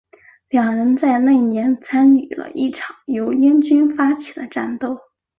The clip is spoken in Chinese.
两人在那年参与了一场由英军发起的战斗。